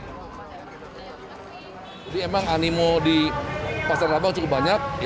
jadi emang animo di pasar tanah abang cukup banyak